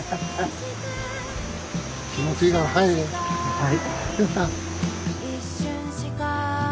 はい。